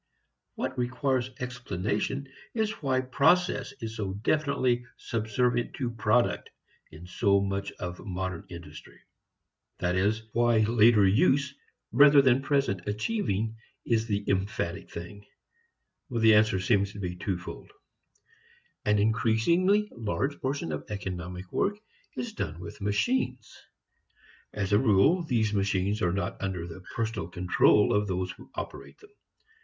What requires explanation is why process is so definitely subservient to product in so much of modern industry: that is, why later use rather than present achieving is the emphatic thing. The answer seems to be twofold. An increasingly large portion of economic work is done with machines. As a rule, these machines are not under the personal control of those who operate them.